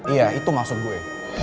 iya itu maksud gue